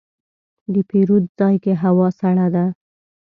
د پیرود ځای کې هوا سړه ده.